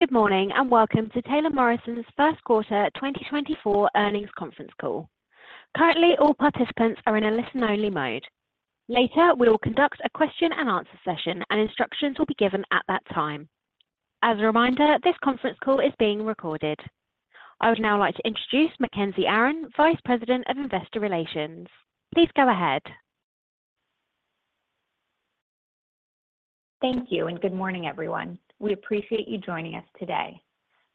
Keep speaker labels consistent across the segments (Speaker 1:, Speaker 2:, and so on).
Speaker 1: Good morning and welcome to Taylor Morrison's First Quarter 2024 Earnings Conference Call. Currently, all participants are in a listen-only mode. Later, we will conduct a question-and-answer session, and instructions will be given at that time. As a reminder, this conference call is being recorded. I would now like to introduce Mackenzie Aron, Vice President of Investor Relations. Please go ahead.
Speaker 2: Thank you, and good morning, everyone. We appreciate you joining us today.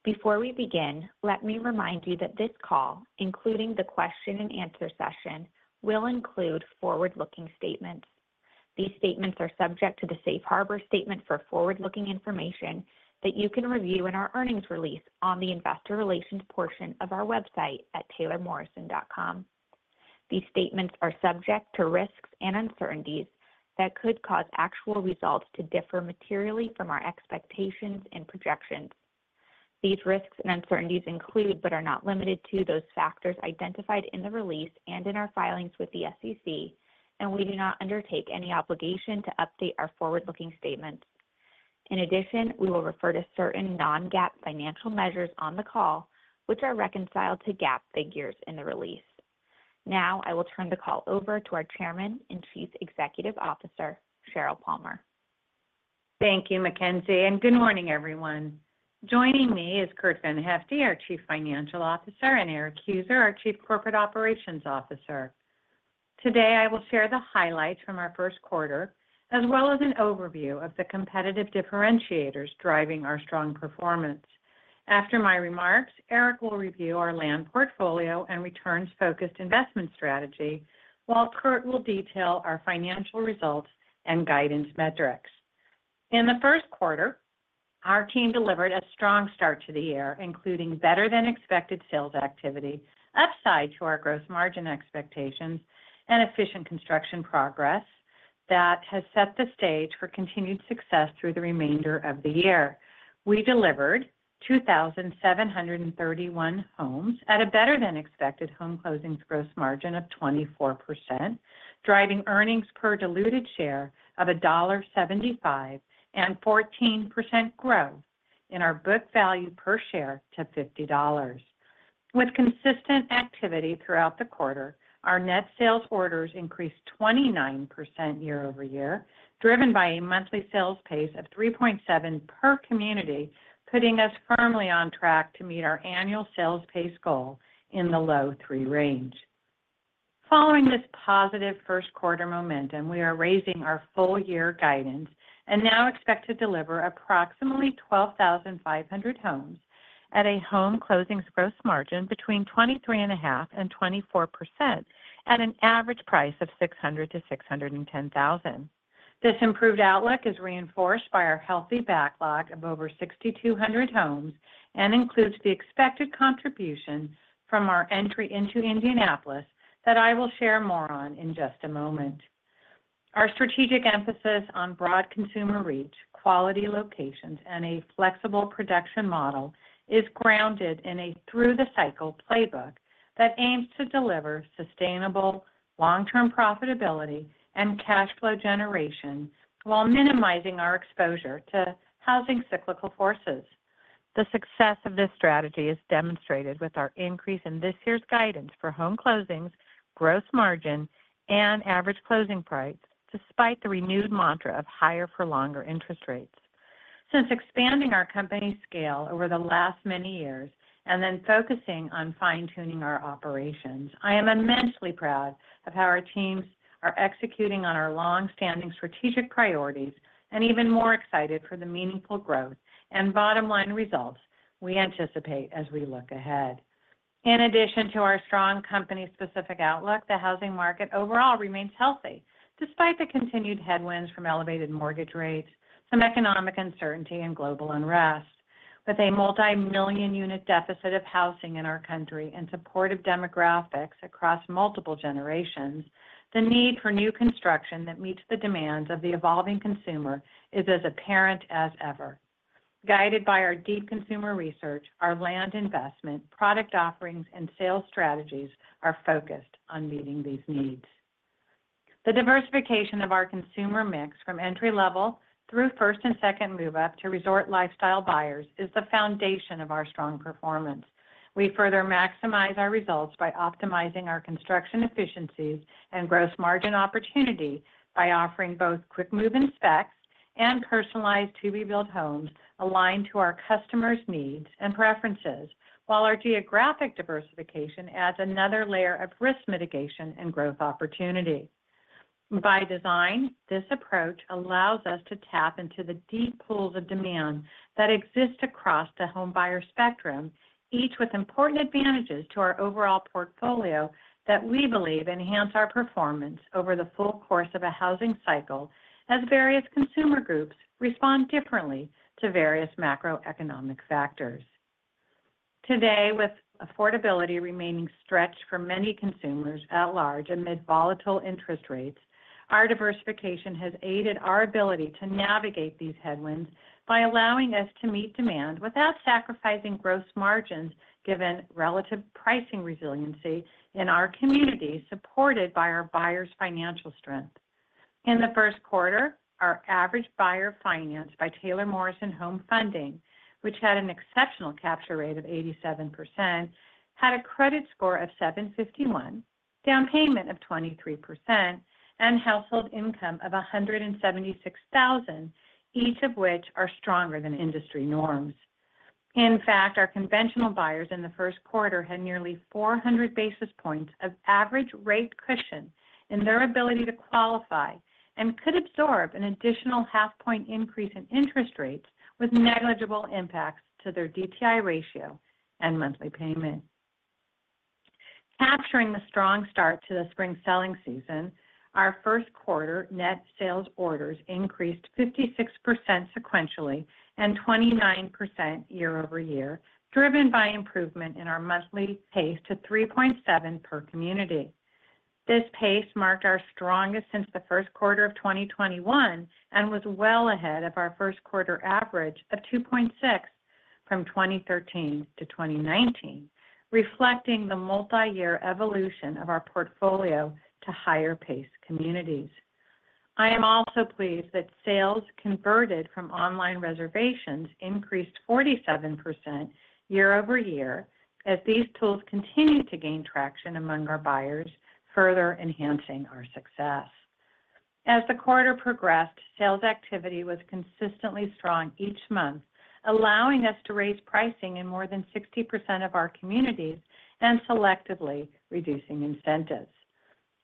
Speaker 2: Before we begin, let me remind you that this call, including the question-and-answer session, will include forward-looking statements. These statements are subject to the Safe Harbor Statement for forward-looking information that you can review in our earnings release on the Investor Relations portion of our website at taylormorrison.com. These statements are subject to risks and uncertainties that could cause actual results to differ materially from our expectations and projections. These risks and uncertainties include but are not limited to those factors identified in the release and in our filings with the SEC, and we do not undertake any obligation to update our forward-looking statements. In addition, we will refer to certain non-GAAP financial measures on the call, which are reconciled to GAAP figures in the release. Now, I will turn the call over to our Chairman and Chief Executive Officer, Sheryl Palmer.
Speaker 3: Thank you, Mackenzie, and good morning, everyone. Joining me is Curt VanHyfte, our Chief Financial Officer, and Erik Heuser, our Chief Corporate Operations Officer. Today, I will share the highlights from our first quarter as well as an overview of the competitive differentiators driving our strong performance. After my remarks, Erik will review our land portfolio and returns-focused investment strategy, while Curt will detail our financial results and guidance metrics. In the first quarter, our team delivered a strong start to the year, including better-than-expected sales activity, upside to our gross margin expectations, and efficient construction progress that has set the stage for continued success through the remainder of the year. We delivered 2,731 homes at a better-than-expected home closings gross margin of 24%, driving earnings per diluted share of $1.75 and 14% growth in our book value per share to $50. With consistent activity throughout the quarter, our net sales orders increased 29% year-over-year, driven by a monthly sales pace of 3.7 per community, putting us firmly on track to meet our annual sales pace goal in the low 3 range. Following this positive first-quarter momentum, we are raising our full-year guidance and now expect to deliver approximately 12,500 homes at a home closings gross margin between 23.5% and 24% at an average price of $600,000-$610,000. This improved outlook is reinforced by our healthy backlog of over 6,200 homes and includes the expected contribution from our entry into Indianapolis that I will share more on in just a moment. Our strategic emphasis on broad consumer reach, quality locations, and a flexible production model is grounded in a through-the-cycle playbook that aims to deliver sustainable long-term profitability and cash flow generation while minimizing our exposure to housing cyclical forces. The success of this strategy is demonstrated with our increase in this year's guidance for home closings, gross margin, and average closing price despite the renewed mantra of higher-for-longer interest rates. Since expanding our company scale over the last many years and then focusing on fine-tuning our operations, I am immensely proud of how our teams are executing on our long-standing strategic priorities and even more excited for the meaningful growth and bottom-line results we anticipate as we look ahead. In addition to our strong company-specific outlook, the housing market overall remains healthy despite the continued headwinds from elevated mortgage rates, some economic uncertainty, and global unrest. With a multi-million unit deficit of housing in our country and supportive demographics across multiple generations, the need for new construction that meets the demands of the evolving consumer is as apparent as ever. Guided by our deep consumer research, our land investment, product offerings, and sales strategies are focused on meeting these needs. The diversification of our consumer mix from entry-level through first and second move-up to resort lifestyle buyers is the foundation of our strong performance. We further maximize our results by optimizing our construction efficiencies and gross margin opportunity by offering both quick-move-in and personalized to-be-built homes aligned to our customers' needs and preferences, while our geographic diversification adds another layer of risk mitigation and growth opportunity. By design, this approach allows us to tap into the deep pools of demand that exist across the home buyer spectrum, each with important advantages to our overall portfolio that we believe enhance our performance over the full course of a housing cycle as various consumer groups respond differently to various macroeconomic factors. Today, with affordability remaining stretched for many consumers at large amid volatile interest rates, our diversification has aided our ability to navigate these headwinds by allowing us to meet demand without sacrificing gross margins given relative pricing resiliency in our community supported by our buyers' financial strength. In the first quarter, our average buyer financed by Taylor Morrison Home Funding, which had an exceptional capture rate of 87%, had a credit score of 751, down payment of 23%, and household income of $176,000, each of which are stronger than industry norms. In fact, our conventional buyers in the first quarter had nearly 400 basis points of average rate cushion in their ability to qualify and could absorb an additional 0.5-point increase in interest rates with negligible impacts to their DTI ratio and monthly payment. Capturing the strong start to the spring selling season, our first quarter net sales orders increased 56% sequentially and 29% year-over-year, driven by improvement in our monthly pace to 3.7 per community. This pace marked our strongest since the first quarter of 2021 and was well ahead of our first-quarter average of 2.6 from 2013-2019, reflecting the multi-year evolution of our portfolio to higher-paced communities. I am also pleased that sales converted from online reservations increased 47% year-over-year as these tools continue to gain traction among our buyers, further enhancing our success. As the quarter progressed, sales activity was consistently strong each month, allowing us to raise pricing in more than 60% of our communities and selectively reducing incentives.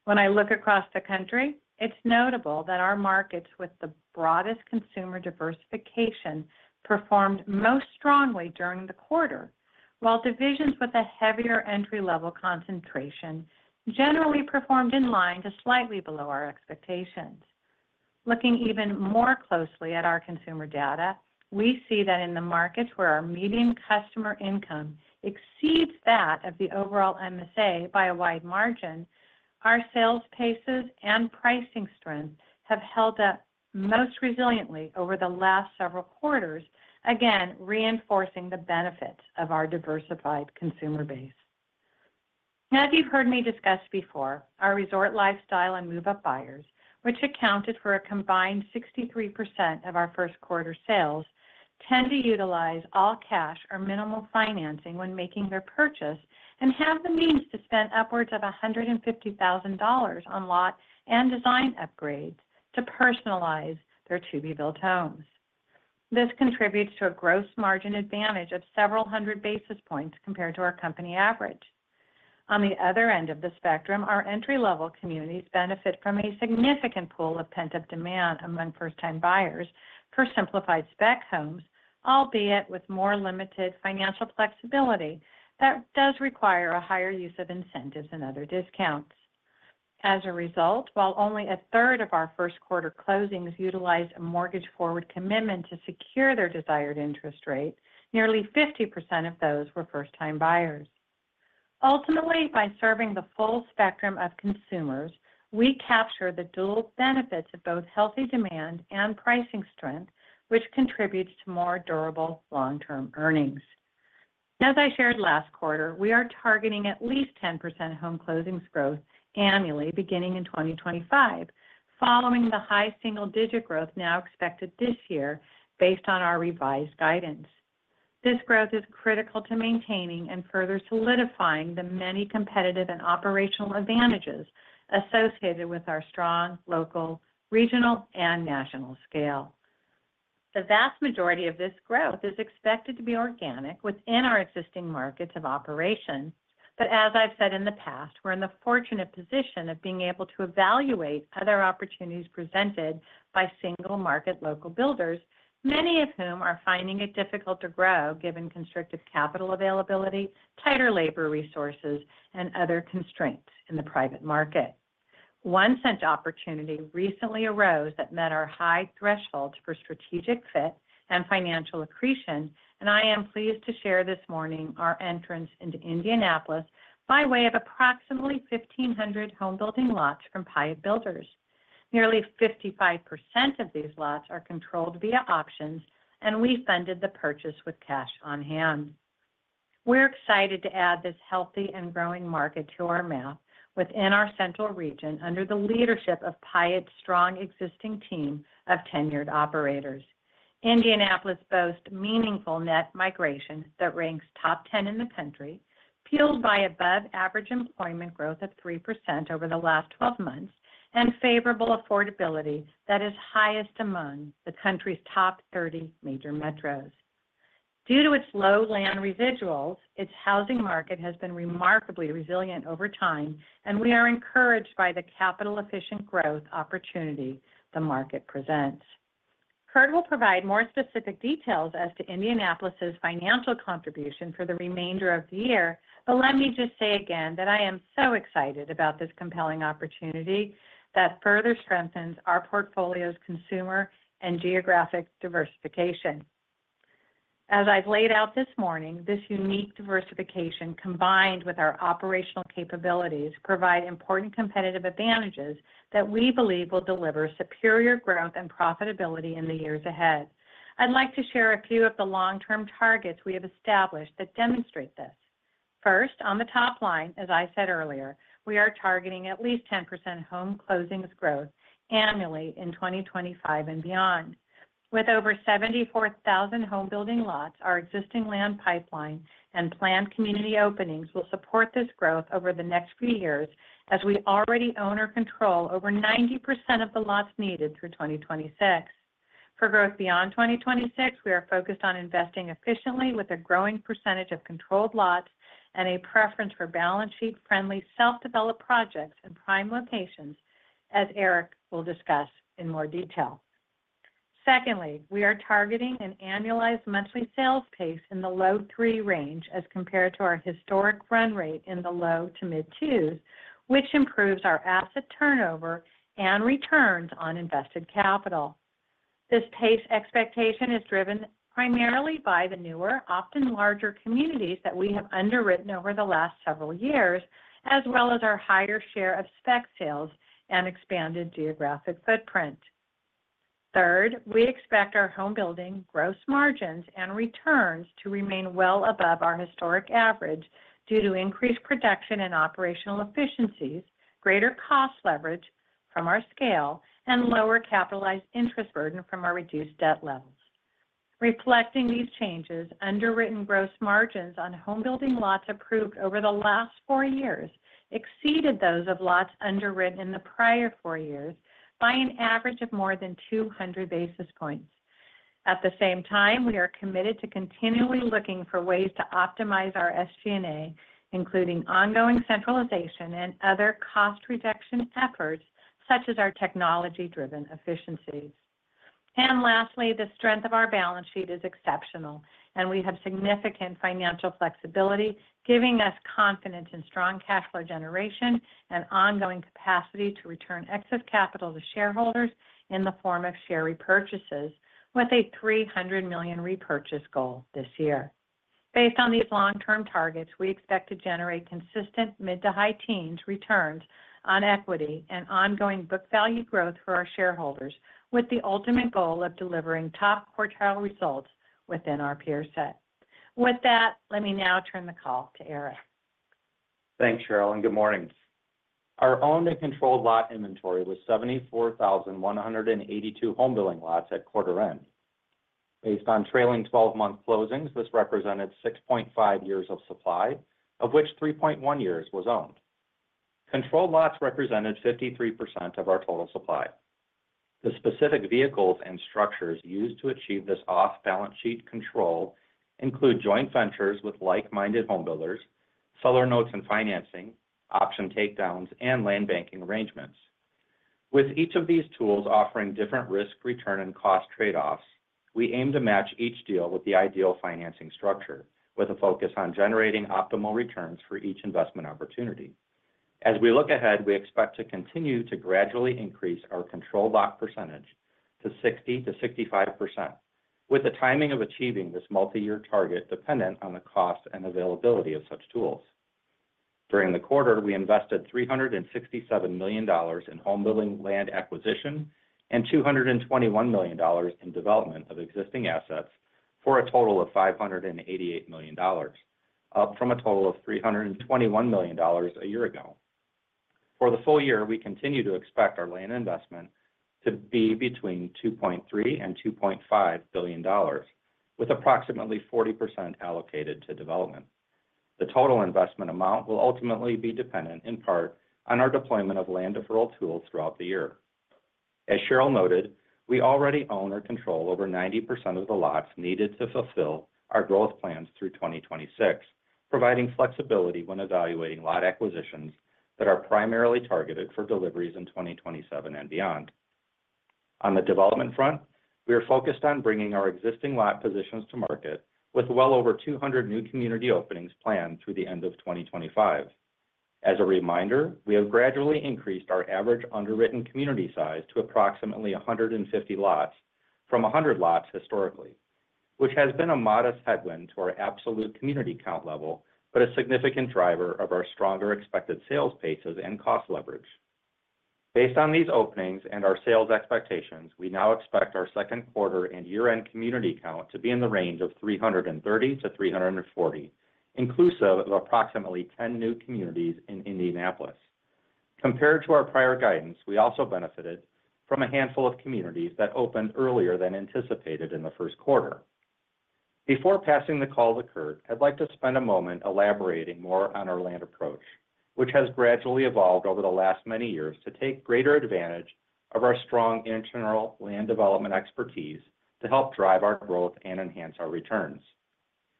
Speaker 3: When I look across the country, it's notable that our markets with the broadest consumer diversification performed most strongly during the quarter, while divisions with a heavier entry-level concentration generally performed in line to slightly below our expectations. Looking even more closely at our consumer data, we see that in the markets where our median customer income exceeds that of the overall MSA by a wide margin, our sales paces and pricing strength have held up most resiliently over the last several quarters, again reinforcing the benefits of our diversified consumer base. Now, as you've heard me discuss before, our resort lifestyle and move-up buyers, which accounted for a combined 63% of our first-quarter sales, tend to utilize all cash or minimal financing when making their purchase and have the means to spend upwards of $150,000 on lot and design upgrades to personalize their to-be-built homes. This contributes to a gross margin advantage of several hundred basis points compared to our company average. On the other end of the spectrum, our entry-level communities benefit from a significant pool of pent-up demand among first-time buyers for simplified spec homes, albeit with more limited financial flexibility that does require a higher use of incentives and other discounts. As a result, while only a third of our first-quarter closings utilized a mortgage-forward commitment to secure their desired interest rate, nearly 50% of those were first-time buyers. Ultimately, by serving the full spectrum of consumers, we capture the dual benefits of both healthy demand and pricing strength, which contributes to more durable long-term earnings. As I shared last quarter, we are targeting at least 10% home closings growth annually beginning in 2025, following the high single-digit growth now expected this year based on our revised guidance. This growth is critical to maintaining and further solidifying the many competitive and operational advantages associated with our strong local, regional, and national scale. The vast majority of this growth is expected to be organic within our existing markets of operation, but as I've said in the past, we're in the fortunate position of being able to evaluate other opportunities presented by single-market local builders, many of whom are finding it difficult to grow given constrictive capital availability, tighter labor resources, and other constraints in the private market. One such opportunity recently arose that met our high thresholds for strategic fit and financial accretion, and I am pleased to share this morning our entrance into Indianapolis by way of approximately 1,500 home-building lots from Pyatt Builders. Nearly 55% of these lots are controlled via options, and we funded the purchase with cash on hand. We're excited to add this healthy and growing market to our map within our central region under the leadership of Pyatt's strong existing team of tenured operators. Indianapolis boasts meaningful net migration that ranks top 10 in the country, fueled by above-average employment growth of 3% over the last 12 months, and favorable affordability that is highest among the country's top 30 major metros. Due to its low land residuals, its housing market has been remarkably resilient over time, and we are encouraged by the capital-efficient growth opportunity the market presents. Curt will provide more specific details as to Indianapolis's financial contribution for the remainder of the year, but let me just say again that I am so excited about this compelling opportunity that further strengthens our portfolio's consumer and geographic diversification. As I've laid out this morning, this unique diversification combined with our operational capabilities provides important competitive advantages that we believe will deliver superior growth and profitability in the years ahead. I'd like to share a few of the long-term targets we have established that demonstrate this. First, on the top line, as I said earlier, we are targeting at least 10% home closings growth annually in 2025 and beyond. With over 74,000 home-building lots, our existing land pipeline and planned community openings will support this growth over the next few years as we already own or control over 90% of the lots needed through 2026. For growth beyond 2026, we are focused on investing efficiently with a growing percentage of controlled lots and a preference for balance sheet-friendly self-developed projects and prime locations, as Erik will discuss in more detail. Secondly, we are targeting an annualized monthly sales pace in the low-3 range as compared to our historic run rate in the low-to-mid-2s, which improves our asset turnover and returns on invested capital. This pace expectation is driven primarily by the newer, often larger communities that we have underwritten over the last several years, as well as our higher share of spec sales and expanded geographic footprint. Third, we expect our home-building gross margins and returns to remain well above our historic average due to increased production and operational efficiencies, greater cost leverage from our scale, and lower capitalized interest burden from our reduced debt levels. Reflecting these changes, underwritten gross margins on home-building lots approved over the last four years exceeded those of lots underwritten in the prior four years by an average of more than 200 basis points. At the same time, we are committed to continually looking for ways to optimize our SG&A, including ongoing centralization and other cost reduction efforts such as our technology-driven efficiencies. And lastly, the strength of our balance sheet is exceptional, and we have significant financial flexibility giving us confidence in strong cash flow generation and ongoing capacity to return excess capital to shareholders in the form of share repurchases with a $300 million repurchase goal this year. Based on these long-term targets, we expect to generate consistent mid to high teens returns on equity and ongoing book value growth for our shareholders, with the ultimate goal of delivering top quartile results within our peer set. With that, let me now turn the call to Erik.
Speaker 4: Thanks, Sheryl, and good morning. Our owned and controlled lot inventory was 74,182 home-building lots at quarter end. Based on trailing 12-month closings, this represented 6.5 years of supply, of which 3.1 years was owned. Controlled lots represented 53% of our total supply. The specific vehicles and structures used to achieve this off-balance sheet control include joint ventures with like-minded home builders, seller notes and financing, option takedowns, and land banking arrangements. With each of these tools offering different risk, return, and cost trade-offs, we aim to match each deal with the ideal financing structure, with a focus on generating optimal returns for each investment opportunity. As we look ahead, we expect to continue to gradually increase our controlled lot percentage to 60%-65%, with the timing of achieving this multi-year target dependent on the cost and availability of such tools. During the quarter, we invested $367 million in home-building land acquisition and $221 million in development of existing assets for a total of $588 million, up from a total of $321 million a year ago. For the full year, we continue to expect our land investment to be between $2.3 billion-$2.5 billion, with approximately 40% allocated to development. The total investment amount will ultimately be dependent, in part, on our deployment of land deferral tools throughout the year. As Sheryl noted, we already own or control over 90% of the lots needed to fulfill our growth plans through 2026, providing flexibility when evaluating lot acquisitions that are primarily targeted for deliveries in 2027 and beyond. On the development front, we are focused on bringing our existing lot positions to market with well over 200 new community openings planned through the end of 2025. As a reminder, we have gradually increased our average underwritten community size to approximately 150 lots from 100 lots historically, which has been a modest headwind to our absolute community count level but a significant driver of our stronger expected sales paces and cost leverage. Based on these openings and our sales expectations, we now expect our second quarter and year-end community count to be in the range of 330-340, inclusive of approximately 10 new communities in Indianapolis. Compared to our prior guidance, we also benefited from a handful of communities that opened earlier than anticipated in the first quarter. Before passing the call to Curt, I'd like to spend a moment elaborating more on our land approach, which has gradually evolved over the last many years to take greater advantage of our strong internal land development expertise to help drive our growth and enhance our returns.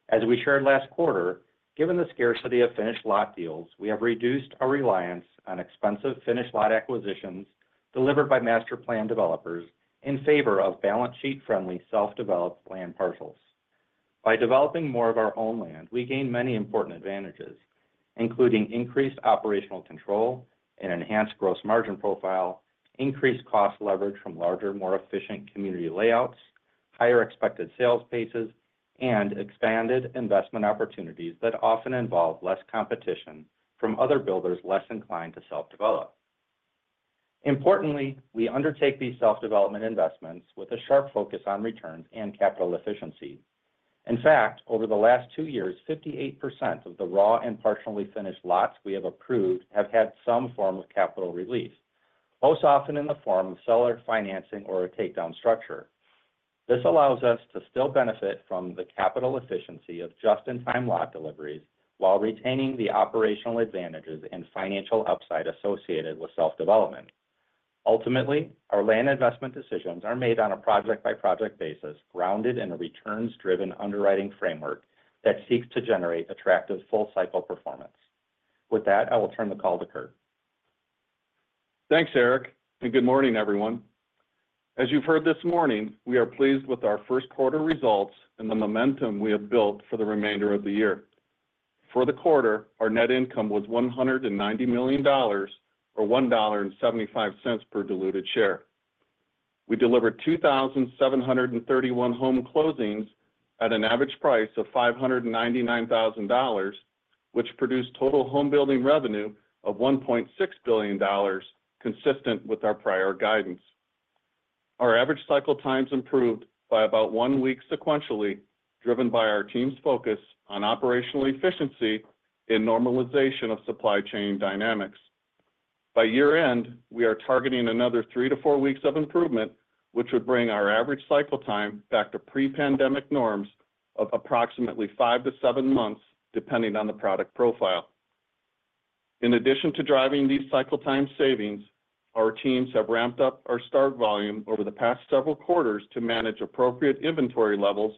Speaker 4: As we shared last quarter, given the scarcity of finished lot deals, we have reduced our reliance on expensive finished lot acquisitions delivered by master-plan developers in favor of balance sheet-friendly self-developed land parcels. By developing more of our own land, we gain many important advantages, including increased operational control and enhanced gross margin profile, increased cost leverage from larger, more efficient community layouts, higher expected sales paces, and expanded investment opportunities that often involve less competition from other builders less inclined to self-develop. Importantly, we undertake these self-development investments with a sharp focus on returns and capital efficiency. In fact, over the last two years, 58% of the raw and partially finished lots we have approved have had some form of capital relief, most often in the form of seller financing or a takedown structure. This allows us to still benefit from the capital efficiency of just-in-time lot deliveries while retaining the operational advantages and financial upside associated with self-development. Ultimately, our land investment decisions are made on a project-by-project basis, grounded in a returns-driven underwriting framework that seeks to generate attractive full-cycle performance. With that, I will turn the call to Curt.
Speaker 5: Thanks, Erik, and good morning, everyone. As you've heard this morning, we are pleased with our first quarter results and the momentum we have built for the remainder of the year. For the quarter, our net income was $190 million or $1.75 per diluted share. We delivered 2,731 home closings at an average price of $599,000, which produced total home-building revenue of $1.6 billion, consistent with our prior guidance. Our average cycle time has improved by about one week sequentially, driven by our team's focus on operational efficiency in normalization of supply chain dynamics. By year-end, we are targeting another three to four weeks of improvement, which would bring our average cycle time back to pre-pandemic norms of approximately five to seven months, depending on the product profile. In addition to driving these cycle time savings, our teams have ramped up our start volume over the past several quarters to manage appropriate inventory levels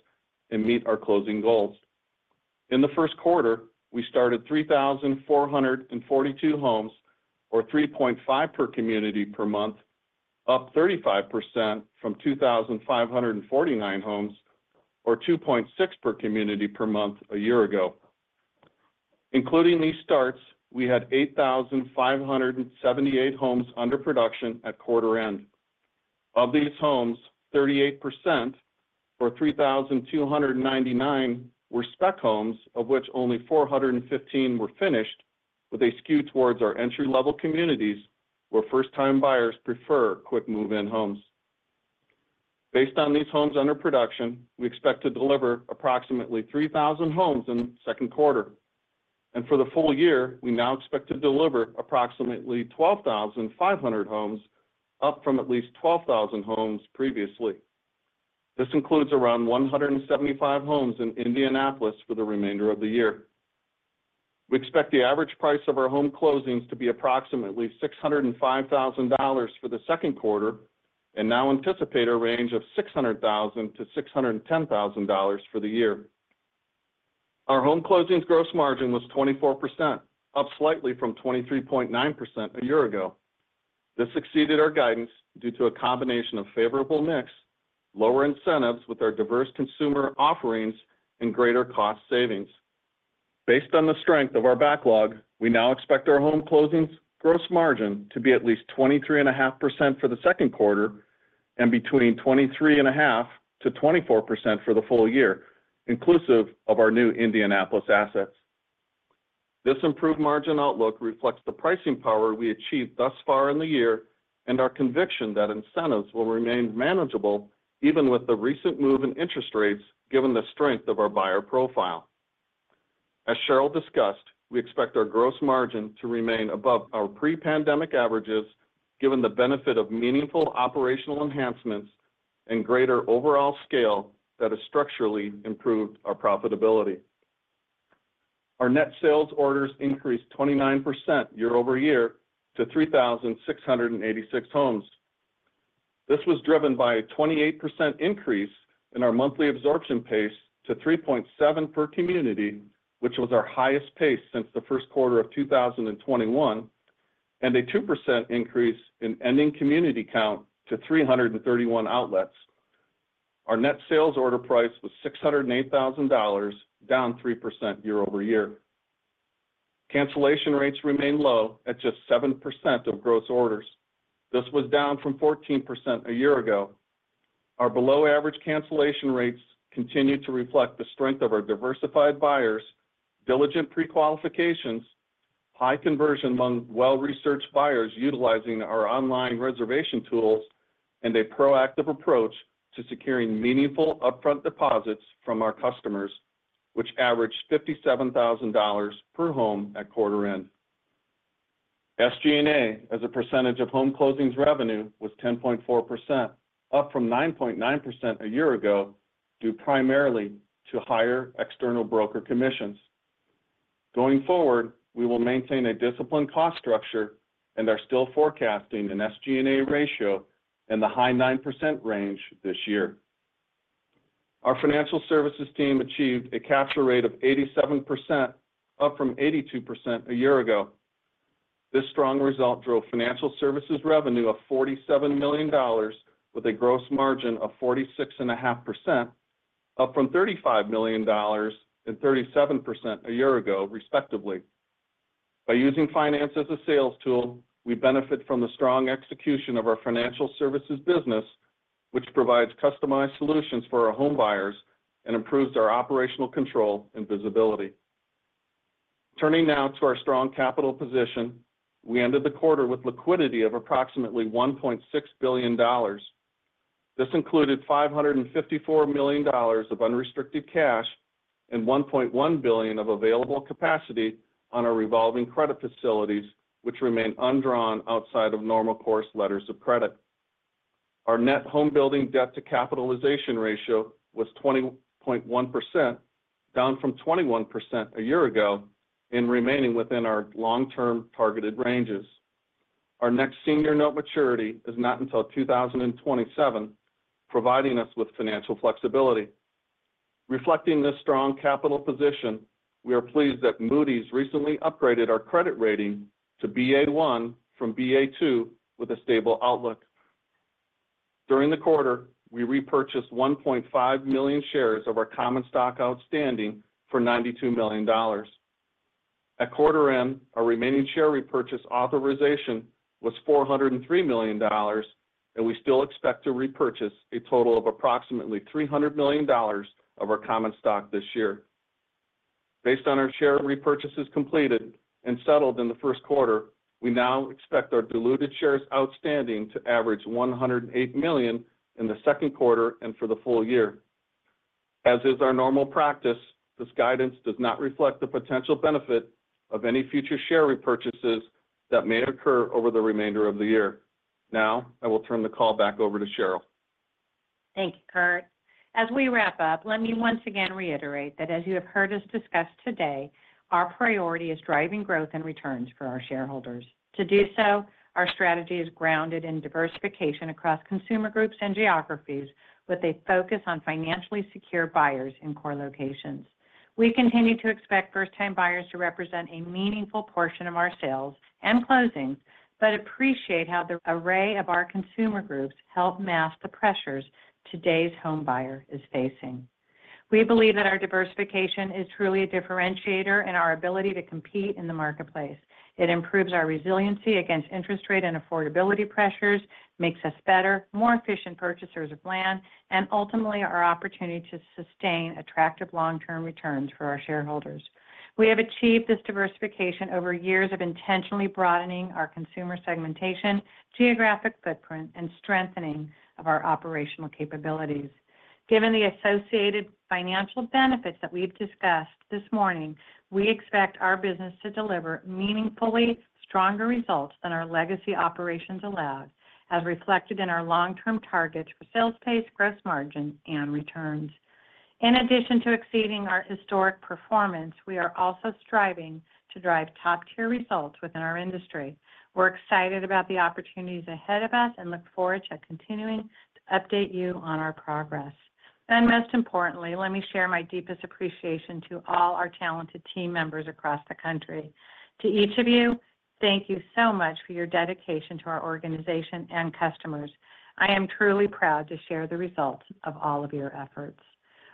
Speaker 5: and meet our closing goals. In the first quarter, we started 3,442 homes or 3.5 per community per month, up 35% from 2,549 homes or 2.6 per community per month a year ago. Including these starts, we had 8,578 homes under production at quarter end. Of these homes, 38% or 3,299 were spec homes, of which only 415 were finished, with a skew towards our entry-level communities where first-time buyers prefer quick move-in homes. Based on these homes under production, we expect to deliver approximately 3,000 homes in the second quarter. For the full year, we now expect to deliver approximately 12,500 homes, up from at least 12,000 homes previously. This includes around 175 homes in Indianapolis for the remainder of the year. We expect the average price of our home closings to be approximately $605,000 for the second quarter and now anticipate a range of $600,000-$610,000 for the year. Our home closings gross margin was 24%, up slightly from 23.9% a year ago. This exceeded our guidance due to a combination of favorable mix, lower incentives with our diverse consumer offerings, and greater cost savings. Based on the strength of our backlog, we now expect our home closings gross margin to be at least 23.5% for the second quarter and between 23.5%-24% for the full year, inclusive of our new Indianapolis assets. This improved margin outlook reflects the pricing power we achieved thus far in the year and our conviction that incentives will remain manageable even with the recent move in interest rates given the strength of our buyer profile. As Sheryl discussed, we expect our gross margin to remain above our pre-pandemic averages given the benefit of meaningful operational enhancements and greater overall scale that has structurally improved our profitability. Our net sales orders increased 29% year-over-year to 3,686 homes. This was driven by a 28% increase in our monthly absorption pace to 3.7 per community, which was our highest pace since the first quarter of 2021, and a 2% increase in ending community count to 331 outlets. Our net sales order price was $608,000, down 3% year-over-year. Cancellation rates remain low at just 7% of gross orders. This was down from 14% a year ago. Our below-average cancellation rates continue to reflect the strength of our diversified buyers, diligent pre-qualifications, high conversion among well-researched buyers utilizing our online reservation tools, and a proactive approach to securing meaningful upfront deposits from our customers, which averaged $57,000 per home at quarter end. SG&A, as a percentage of home closings revenue, was 10.4%, up from 9.9% a year ago due primarily to higher external broker commissions. Going forward, we will maintain a disciplined cost structure and are still forecasting an SG&A ratio in the high 9% range this year. Our financial services team achieved a capture rate of 87%, up from 82% a year ago. This strong result drove financial services revenue of $47 million with a gross margin of 46.5%, up from $35 million and 37% a year ago, respectively. By using finance as a sales tool, we benefit from the strong execution of our financial services business, which provides customized solutions for our home buyers and improves our operational control and visibility. Turning now to our strong capital position, we ended the quarter with liquidity of approximately $1.6 billion. This included $554 million of unrestricted cash and $1.1 billion of available capacity on our revolving credit facilities, which remain undrawn outside of normal course letters of credit. Our net homebuilding debt to capitalization ratio was 20.1%, down from 21% a year ago and remaining within our long-term targeted ranges. Our next senior note maturity is not until 2027, providing us with financial flexibility. Reflecting this strong capital position, we are pleased that Moody's recently upgraded our credit rating to Ba1 from Ba2 with a stable outlook. During the quarter, we repurchased 1.5 million shares of our common stock outstanding for $92 million. At quarter end, our remaining share repurchase authorization was $403 million, and we still expect to repurchase a total of approximately $300 million of our common stock this year. Based on our share repurchases completed and settled in the first quarter, we now expect our diluted shares outstanding to average $108 million in the second quarter and for the full year. As is our normal practice, this guidance does not reflect the potential benefit of any future share repurchases that may occur over the remainder of the year. Now, I will turn the call back over to Sheryl.
Speaker 3: Thank you, Curt. As we wrap up, let me once again reiterate that, as you have heard us discuss today, our priority is driving growth and returns for our shareholders. To do so, our strategy is grounded in diversification across consumer groups and geographies with a focus on financially secure buyers in core locations. We continue to expect first-time buyers to represent a meaningful portion of our sales and closings but appreciate how the array of our consumer groups help mask the pressures today's home buyer is facing. We believe that our diversification is truly a differentiator in our ability to compete in the marketplace. It improves our resiliency against interest rate and affordability pressures, makes us better, more efficient purchasers of land, and ultimately our opportunity to sustain attractive long-term returns for our shareholders. We have achieved this diversification over years of intentionally broadening our consumer segmentation, geographic footprint, and strengthening of our operational capabilities. Given the associated financial benefits that we've discussed this morning, we expect our business to deliver meaningfully stronger results than our legacy operations allowed, as reflected in our long-term targets for sales pace, gross margin, and returns. In addition to exceeding our historic performance, we are also striving to drive top-tier results within our industry. We're excited about the opportunities ahead of us and look forward to continuing to update you on our progress. And most importantly, let me share my deepest appreciation to all our talented team members across the country. To each of you, thank you so much for your dedication to our organization and customers. I am truly proud to share the results of all of your efforts.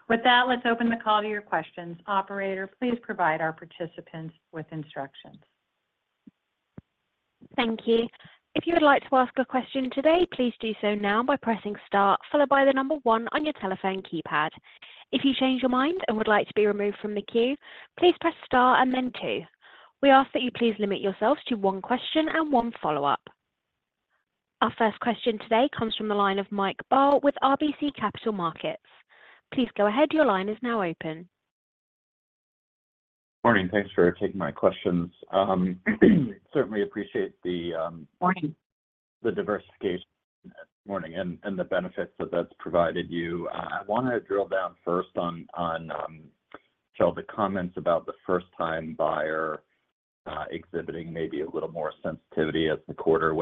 Speaker 3: With that, let's open the call to your questions. Operator, please provide our participants with instructions.
Speaker 1: Thank you. If you would like to ask a question today, please do so now by pressing star followed by the number one on your telephone keypad. If you change your mind and would like to be removed from the queue, please press star and then two. We ask that you please limit yourselves to one question and one follow-up. Our first question today comes from the line of Mike Dahl with RBC Capital Markets. Please go ahead. Your line is now open.
Speaker 6: Morning. Thanks for taking my questions. Certainly appreciate the diversification morning and the benefits that that's provided you. I want to drill down first on the comments about the first-time buyer exhibiting maybe a little more sensitivity as the quarter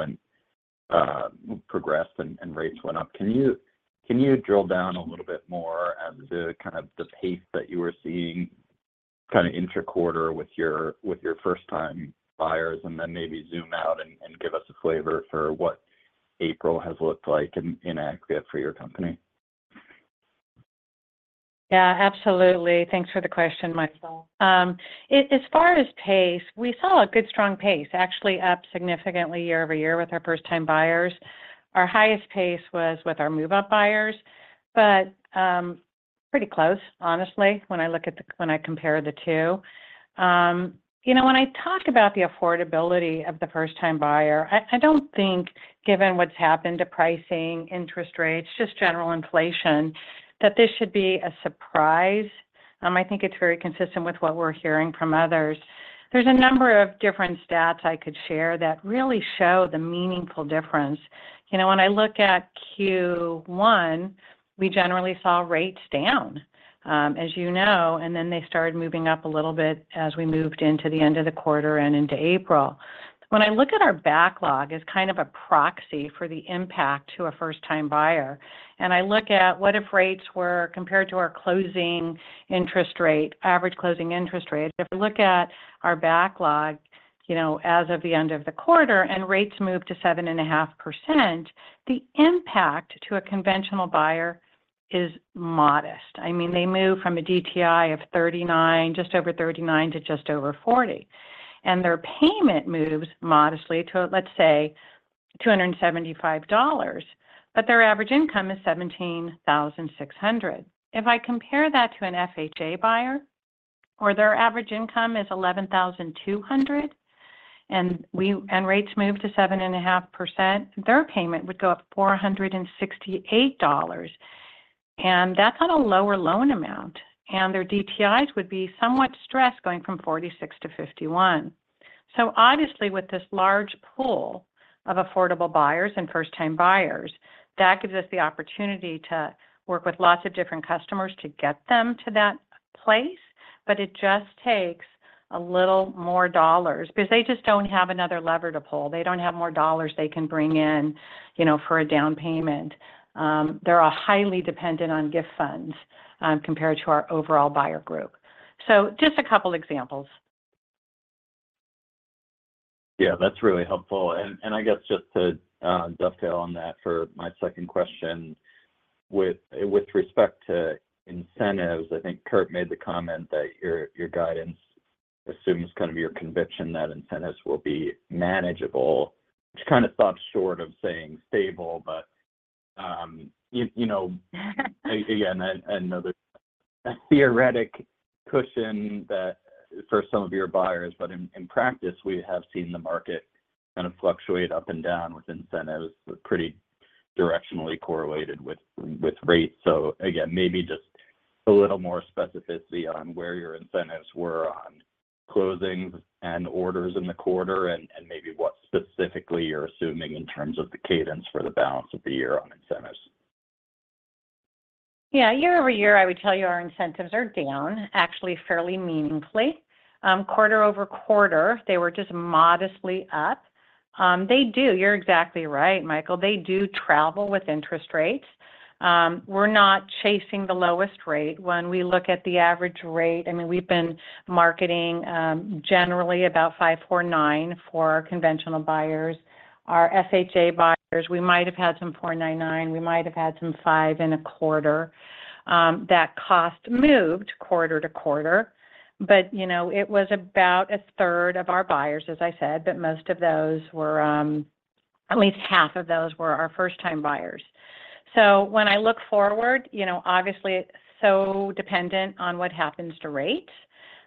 Speaker 6: progressed and rates went up. Can you drill down a little bit more as to kind of the pace that you were seeing kind of intra-quarter with your first-time buyers and then maybe zoom out and give us a flavor for what April has looked like in activity for your company?
Speaker 3: Yeah, absolutely. Thanks for the question, Michael. As far as pace, we saw a good, strong pace, actually up significantly year-over-year with our first-time buyers. Our highest pace was with our move-up buyers, but pretty close, honestly, when I compare the two. When I talk about the affordability of the first-time buyer, I don't think, given what's happened to pricing, interest rates, just general inflation, that this should be a surprise. I think it's very consistent with what we're hearing from others. There's a number of different stats I could share that really show the meaningful difference. When I look at Q1, we generally saw rates down, as you know, and then they started moving up a little bit as we moved into the end of the quarter and into April. When I look at our backlog as kind of a proxy for the impact to a first-time buyer, and I look at what if rates were compared to our closing interest rate, average closing interest rate, if I look at our backlog as of the end of the quarter and rates move to 7.5%, the impact to a conventional buyer is modest. I mean, they move from a DTI of 39%, just over 39% to just over 40%. And their payment moves modestly to, let's say, $275, but their average income is $17,600. If I compare that to an FHA buyer where their average income is $11,200 and rates move to 7.5%, their payment would go up $468. And that's on a lower loan amount. And their DTIs would be somewhat stressed going from 46%-51%. So obviously, with this large pool of affordable buyers and first-time buyers, that gives us the opportunity to work with lots of different customers to get them to that place, but it just takes a little more dollars because they just don't have another lever to pull. They don't have more dollars they can bring in for a down payment. They're highly dependent on gift funds compared to our overall buyer group. So just a couple of examples.
Speaker 6: Yeah, that's really helpful. And I guess just to dovetail on that for my second question, with respect to incentives, I think Curt made the comment that your guidance assumes kind of your conviction that incentives will be manageable, which kind of stops short of saying stable, but again, another theoretic cushion for some of your buyers, but in practice, we have seen the market kind of fluctuate up and down with incentives pretty directionally correlated with rates. So again, maybe just a little more specificity on where your incentives were on closings and orders in the quarter and maybe what specifically you're assuming in terms of the cadence for the balance of the year on incentives.
Speaker 3: Yeah, year-over-year, I would tell you our incentives are down, actually fairly meaningfully. Quarter-over-quarter, they were just modestly up. They do. You're exactly right, Michael. They do travel with interest rates. We're not chasing the lowest rate. When we look at the average rate, I mean, we've been marketing generally about 5.49% for our conventional buyers. Our FHA buyers, we might have had some 4.99%. We might have had some 5.25%. That cost moved quarter-to-quarter. But it was about a third of our buyers, as I said, but most of those were at least half of those were our first-time buyers. So when I look forward, obviously, it's so dependent on what happens to rates.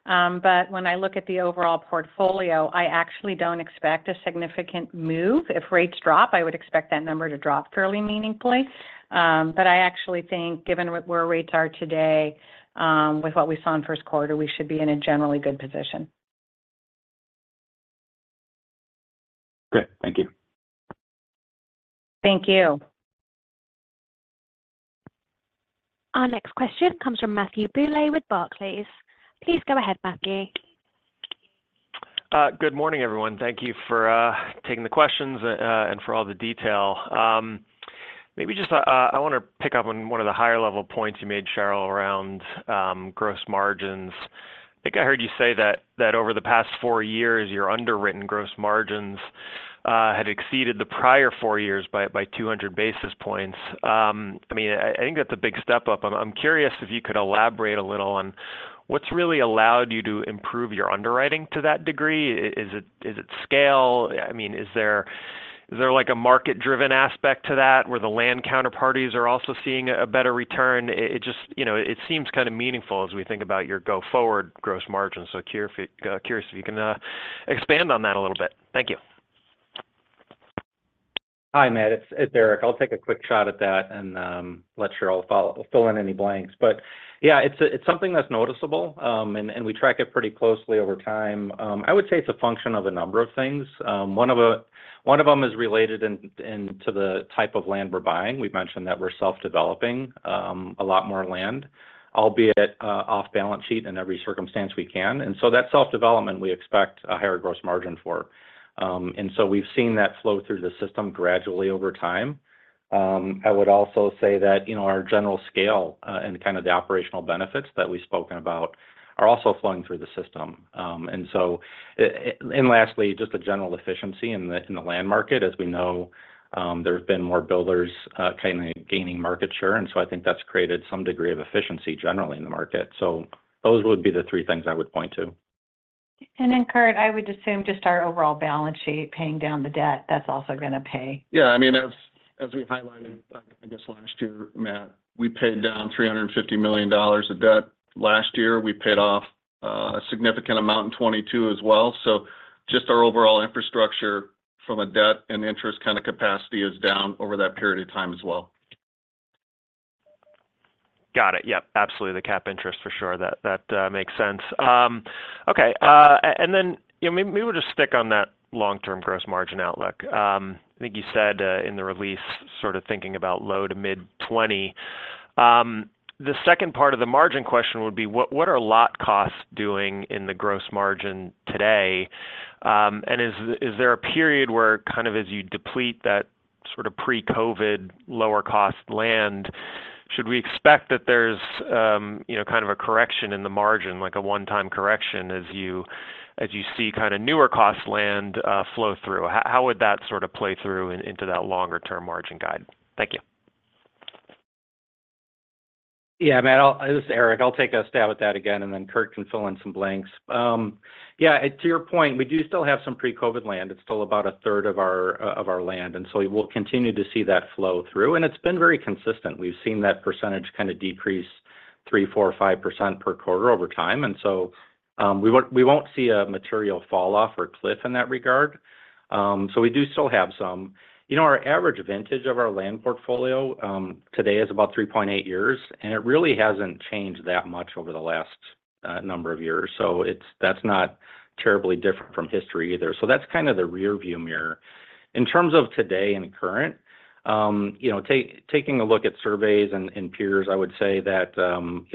Speaker 3: But when I look at the overall portfolio, I actually don't expect a significant move. If rates drop, I would expect that number to drop fairly meaningfully. I actually think, given where rates are today with what we saw in first quarter, we should be in a generally good position.
Speaker 6: Good. Thank you.
Speaker 3: Thank you.
Speaker 1: Our next question comes from Matthew Bouley with Barclays. Please go ahead, Matthew.
Speaker 7: Good morning, everyone. Thank you for taking the questions and for all the detail. Maybe just, I want to pick up on one of the higher-level points you made, Sheryl, around gross margins. I think I heard you say that over the past four years, your underwritten gross margins had exceeded the prior four years by 200 basis points. I mean, I think that's a big step up. I'm curious if you could elaborate a little on what's really allowed you to improve your underwriting to that degree. Is it scale? I mean, is there a market-driven aspect to that where the land counterparties are also seeing a better return? It seems kind of meaningful as we think about your go-forward gross margins. So curious if you can expand on that a little bit. Thank you.
Speaker 4: Hi, Matt. It's Erik. I'll take a quick shot at that and let Sheryl follow up. We'll fill in any blanks. But yeah, it's something that's noticeable, and we track it pretty closely over time. I would say it's a function of a number of things. One of them is related to the type of land we're buying. We've mentioned that we're self-developing a lot more land, albeit off balance sheet in every circumstance we can. And so that self-development, we expect a higher gross margin for. And so we've seen that flow through the system gradually over time. I would also say that our general scale and kind of the operational benefits that we've spoken about are also flowing through the system. And so and lastly, just a general efficiency in the land market. As we know, there have been more builders kind of gaining market share. I think that's created some degree of efficiency generally in the market. Those would be the three things I would point to.
Speaker 3: And then, Curt, I would assume just our overall balance sheet paying down the debt, that's also going to pay.
Speaker 5: Yeah. I mean, as we highlighted, I guess, last year, Matt, we paid down $350 million of debt last year. We paid off a significant amount in 2022 as well. So just our overall infrastructure from a debt and interest kind of capacity is down over that period of time as well.
Speaker 7: Got it. Yep. Absolutely. The cap interest, for sure. That makes sense. Okay. And then maybe we'll just stick on that long-term gross margin outlook. I think you said in the release sort of thinking about low to mid-20%. The second part of the margin question would be, what are lot costs doing in the gross margin today? And is there a period where kind of as you deplete that sort of pre-COVID lower-cost land, should we expect that there's kind of a correction in the margin, like a one-time correction, as you see kind of newer-cost land flow through? How would that sort of play through into that longer-term margin guide? Thank you.
Speaker 4: Yeah, Matt. This is Erik. I'll take a stab at that again, and then Curt can fill in some blanks. Yeah, to your point, we do still have some pre-COVID land. It's still about a third of our land. And so we'll continue to see that flow through. And it's been very consistent. We've seen that percentage kind of decrease 3%, 4%, 5% per quarter over time. And so we won't see a material falloff or cliff in that regard. So we do still have some. Our average vintage of our land portfolio today is about 3.8 years. And it really hasn't changed that much over the last number of years. So that's kind of the rearview mirror. In terms of today and current, taking a look at surveys and peers, I would say that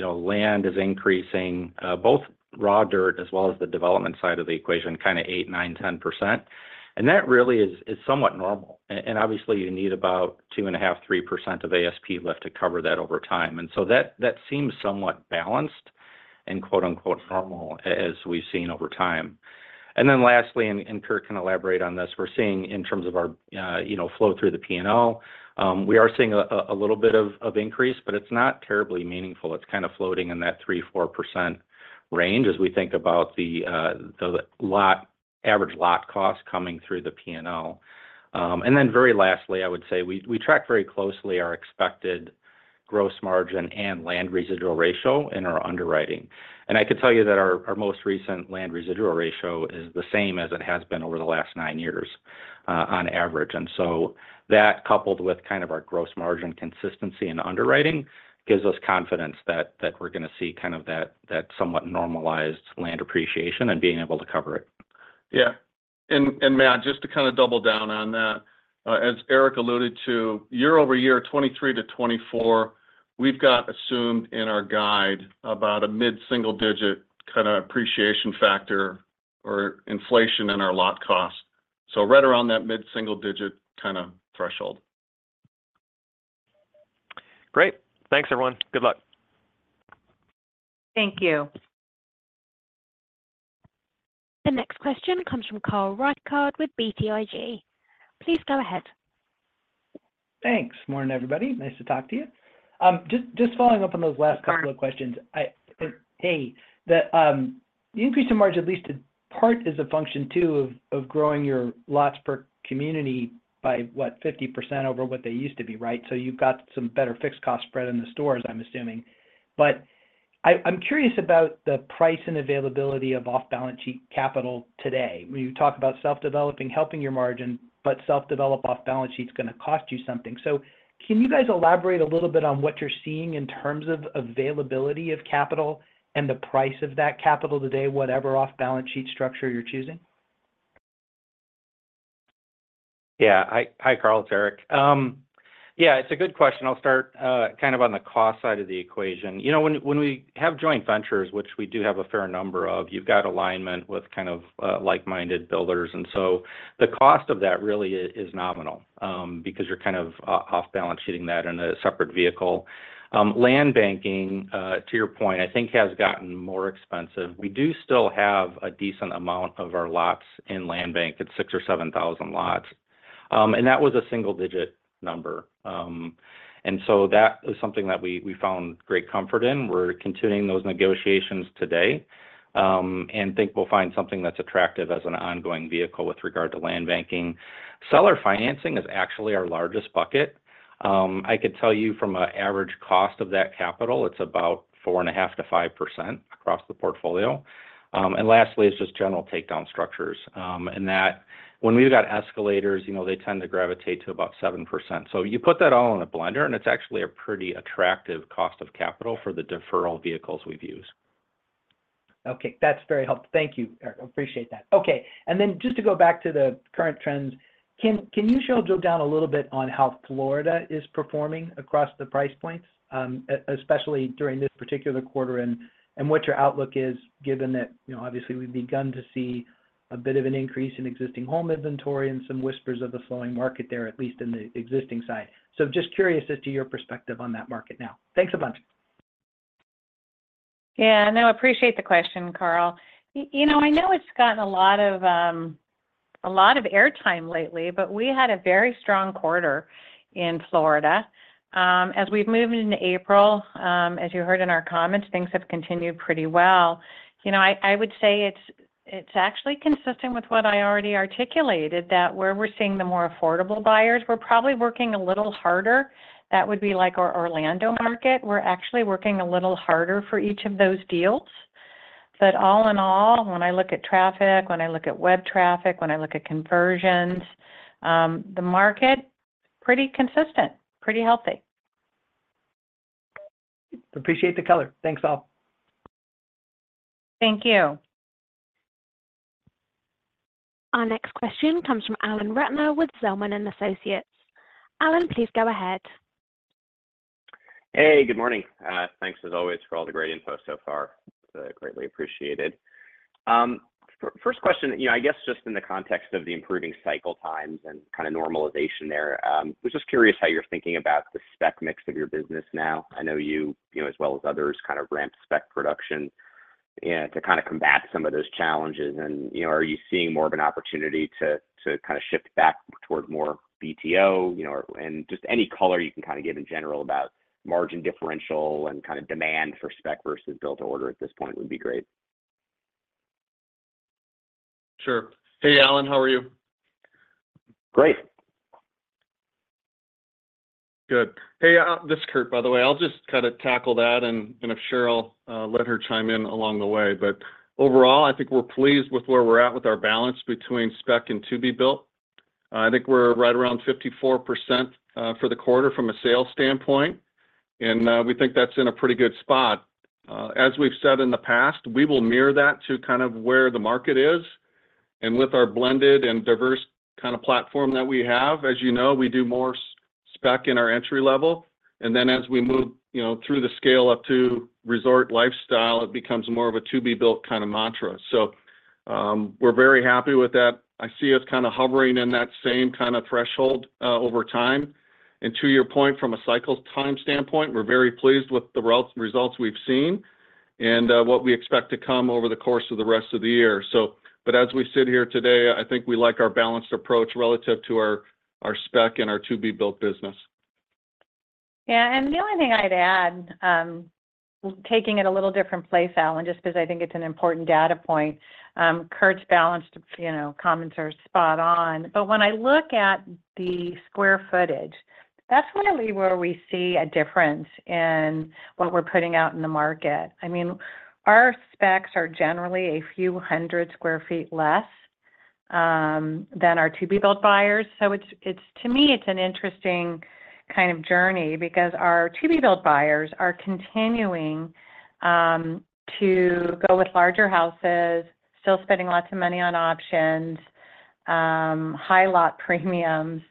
Speaker 4: land is increasing, both raw dirt as well as the development side of the equation, kind of 8%-10%. That really is somewhat normal. Obviously, you need about 2.5%-3% of ASP lift to cover that over time. That seems somewhat balanced and "normal" as we've seen over time. Lastly, Curt can elaborate on this, we're seeing in terms of our flow through the P&L, we are seeing a little bit of increase, but it's not terribly meaningful. It's kind of floating in that 3%-4% range as we think about the average lot cost coming through the P&L. Very lastly, I would say we track very closely our expected gross margin and land residual ratio in our underwriting. I could tell you that our most recent land residual ratio is the same as it has been over the last nine years on average. And so that, coupled with kind of our gross margin consistency in underwriting, gives us confidence that we're going to see kind of that somewhat normalized land appreciation and being able to cover it.
Speaker 5: Yeah. Matt, just to kind of double down on that, as Erik alluded to, year-over-year, 2023 to 2024, we've got assumed in our guide about a mid-single-digit kind of appreciation factor or inflation in our lot cost. So right around that mid-single-digit kind of threshold.
Speaker 7: Great. Thanks, everyone. Good luck.
Speaker 3: Thank you.
Speaker 1: The next question comes from Carl Reichardt with BTIG. Please go ahead.
Speaker 8: Thanks, morning, everybody. Nice to talk to you. Just following up on those last couple of questions. Hey, the increase in margin, at least in part, is a function, too, of growing your lots per community by, what, 50% over what they used to be, right? So you've got some better fixed cost spread in the stores, I'm assuming. But I'm curious about the price and availability of off-balance sheet capital today. When you talk about self-developing, helping your margin, but self-develop off-balance sheet's going to cost you something. So can you guys elaborate a little bit on what you're seeing in terms of availability of capital and the price of that capital today, whatever off-balance sheet structure you're choosing?
Speaker 4: Yeah. Hi, Carl, it's Erik. Yeah, it's a good question. I'll start kind of on the cost side of the equation. When we have joint ventures, which we do have a fair number of, you've got alignment with kind of like-minded builders. And so the cost of that really is nominal because you're kind of off-balance sheeting that in a separate vehicle. Land banking, to your point, I think has gotten more expensive. We do still have a decent amount of our lots in land bank. It's 6,000 or 7,000 lots. And that was a single-digit number. And so that is something that we found great comfort in. We're continuing those negotiations today and think we'll find something that's attractive as an ongoing vehicle with regard to land banking. Seller financing is actually our largest bucket. I could tell you from an average cost of that capital, it's about 4.5%-5% across the portfolio. Lastly, it's just general takedown structures. And that, when we've got escalators, they tend to gravitate to about 7%. So you put that all in a blender, and it's actually a pretty attractive cost of capital for the deferral vehicles we've used.
Speaker 8: Okay. That's very helpful. Thank you, Erik. Appreciate that. Okay. And then just to go back to the current trends, can you show Joe down a little bit on how Florida is performing across the price points, especially during this particular quarter and what your outlook is, given that obviously, we've begun to see a bit of an increase in existing home inventory and some whispers of the slowing market there, at least in the existing side? So just curious as to your perspective on that market now. Thanks a bunch.
Speaker 3: Yeah. No, I appreciate the question, Carl. I know it's gotten a lot of airtime lately, but we had a very strong quarter in Florida. As we've moved into April, as you heard in our comments, things have continued pretty well. I would say it's actually consistent with what I already articulated, that where we're seeing the more affordable buyers, we're probably working a little harder. That would be like our Orlando market. We're actually working a little harder for each of those deals. But all in all, when I look at traffic, when I look at web traffic, when I look at conversions, the market's pretty consistent, pretty healthy.
Speaker 8: Appreciate the color. Thanks, all.
Speaker 3: Thank you.
Speaker 1: Our next question comes from Alan Ratner with Zelman & Associates. Alan, please go ahead.
Speaker 9: Hey, good morning. Thanks, as always, for all the great info so far. It's greatly appreciated. First question, I guess just in the context of the improving cycle times and kind of normalization there, I was just curious how you're thinking about the spec mix of your business now. I know you, as well as others, kind of ramped spec production to kind of combat some of those challenges. And are you seeing more of an opportunity to kind of shift back toward more BTO? And just any color you can kind of give in general about margin differential and kind of demand for spec versus build-to-order at this point would be great?
Speaker 5: Sure. Hey, Alan. How are you?
Speaker 9: Great.
Speaker 5: Good. Hey, this is Curt, by the way. I'll just kind of tackle that, and I'm sure I'll let her chime in along the way. But overall, I think we're pleased with where we're at with our balance between spec and to-be-built. I think we're right around 54% for the quarter from a sales standpoint. And we think that's in a pretty good spot. As we've said in the past, we will mirror that to kind of where the market is. And with our blended and diverse kind of platform that we have, as you know, we do more spec in our entry level. And then as we move through the scale up to resort lifestyle, it becomes more of a to-be-built kind of mantra. So we're very happy with that. I see us kind of hovering in that same kind of threshold over time. To your point, from a cycle time standpoint, we're very pleased with the results we've seen and what we expect to come over the course of the rest of the year. As we sit here today, I think we like our balanced approach relative to our spec and our to-be-built business.
Speaker 3: Yeah. And the only thing I'd add, taking it a little different place, Alan, just because I think it's an important data point, Curt's balanced comments are spot on. But when I look at the square footage, that's really where we see a difference in what we're putting out in the market. I mean, our specs are generally a few hundred sq ft less than our to-be-built buyers. So to me, it's an interesting kind of journey because our to-be-built buyers are continuing to go with larger houses, still spending lots of money on options, high lot premiums.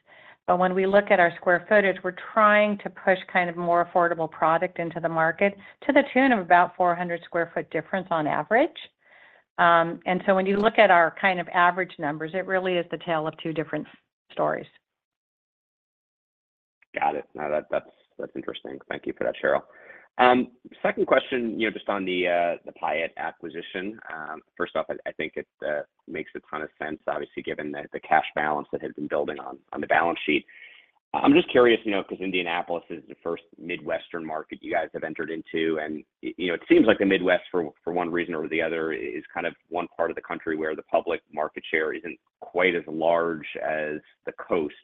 Speaker 3: But when we look at our square footage, we're trying to push kind of more affordable product into the market to the tune of about 400 sq ft difference on average. And so when you look at our kind of average numbers, it really is the tale of two different stories.
Speaker 9: Got it. No, that's interesting. Thank you for that, Sheryl. Second question, just on the Pyatt acquisition. First off, I think it makes a ton of sense, obviously, given the cash balance that has been building on the balance sheet. I'm just curious because Indianapolis is the first Midwestern market you guys have entered into. And it seems like the Midwest, for one reason or the other, is kind of one part of the country where the public market share isn't quite as large as the coasts.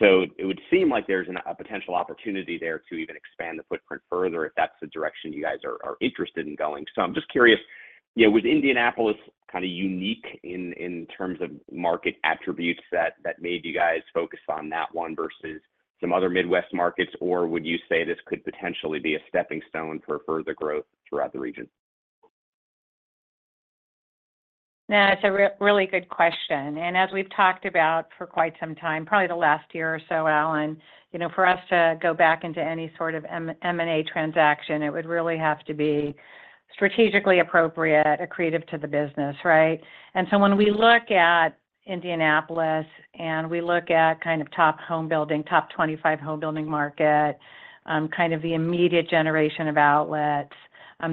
Speaker 9: So it would seem like there's a potential opportunity there to even expand the footprint further if that's the direction you guys are interested in going. So I'm just curious, was Indianapolis kind of unique in terms of market attributes that made you guys focus on that one versus some other Midwest markets? Or would you say this could potentially be a stepping stone for further growth throughout the region?
Speaker 3: Yeah, it's a really good question. And as we've talked about for quite some time, probably the last year or so, Alan, for us to go back into any sort of M&A transaction, it would really have to be strategically appropriate, accretive to the business, right? And so when we look at Indianapolis and we look at kind of top homebuilding, top 25 homebuilding market, kind of the immediate generation of outlets,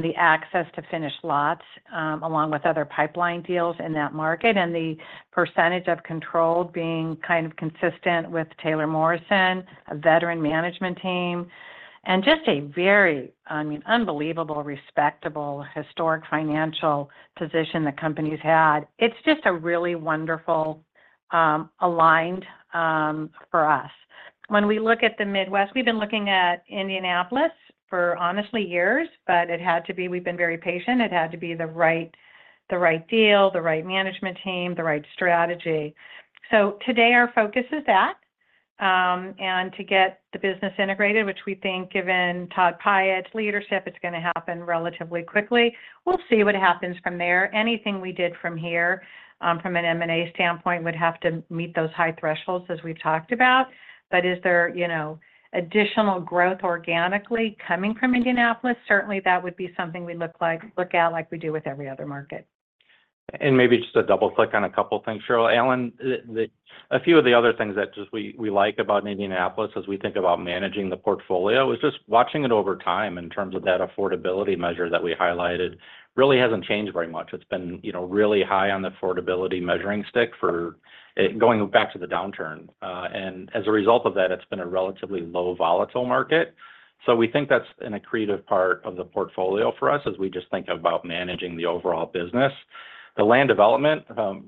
Speaker 3: the access to finished lots along with other pipeline deals in that market, and the percentage of controlled being kind of consistent with Taylor Morrison, a veteran management team, and just a very, I mean, unbelievable, respectable, historic financial position the company's had, it's just a really wonderful alignment for us. When we look at the Midwest, we've been looking at Indianapolis for, honestly, years, but it had to be we've been very patient. It had to be the right deal, the right management team, the right strategy. So today, our focus is that. And to get the business integrated, which we think, given Todd Pyatt's leadership, it's going to happen relatively quickly. We'll see what happens from there. Anything we did from here, from an M&A standpoint, would have to meet those high thresholds as we've talked about. But is there additional growth organically coming from Indianapolis? Certainly, that would be something we look at like we do with every other market.
Speaker 4: And maybe just to double-click on a couple of things, Sheryl. Alan, a few of the other things that we like about Indianapolis as we think about managing the portfolio is just watching it over time in terms of that affordability measure that we highlighted really hasn't changed very much. It's been really high on the affordability measuring stick going back to the downturn. And as a result of that, it's been a relatively low volatile market. So we think that's an accretive part of the portfolio for us as we just think about managing the overall business. The land development,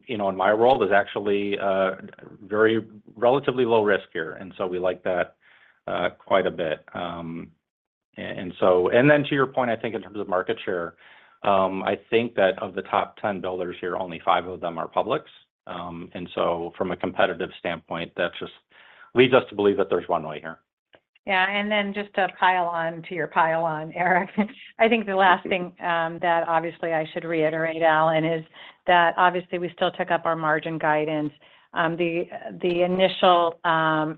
Speaker 4: in my role, is actually relatively low risk here. And so we like that quite a bit. And then to your point, I think in terms of market share, I think that of the top 10 builders here, only five of them are publics. From a competitive standpoint, that just leads us to believe that there's one way here.
Speaker 3: Yeah. And then just to pile on to your pile on, Erik, I think the last thing that obviously I should reiterate, Alan, is that obviously, we still took up our margin guidance. The initial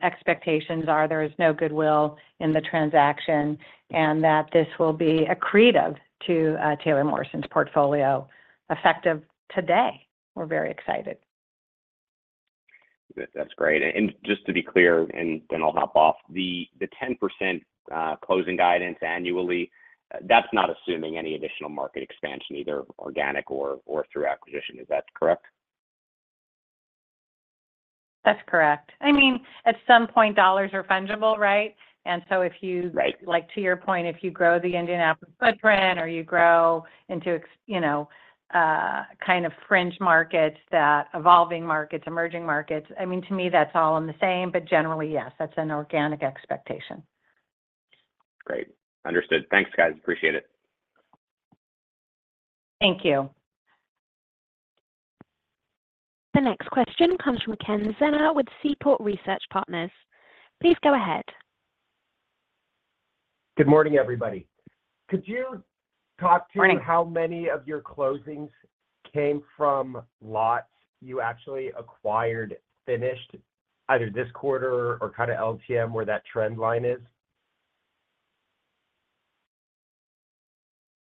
Speaker 3: expectations are there is no goodwill in the transaction and that this will be accretive to Taylor Morrison's portfolio effective today. We're very excited.
Speaker 9: That's great. And just to be clear, and then I'll hop off, the 10% closing guidance annually, that's not assuming any additional market expansion either organic or through acquisition. Is that correct?
Speaker 3: That's correct. I mean, at some point, dollars are fungible, right? And so if you, to your point, if you grow the Indianapolis footprint or you grow into kind of fringe markets, evolving markets, emerging markets, I mean, to me, that's all in the same. But generally, yes, that's an organic expectation.
Speaker 9: Great. Understood. Thanks, guys. Appreciate it.
Speaker 3: Thank you.
Speaker 1: The next question comes from Ken Zener with Seaport Research Partners. Please go ahead.
Speaker 10: Good morning, everybody. Could you talk to me how many of your closings came from lots you actually acquired finished either this quarter or kind of LTM, where that trend line is,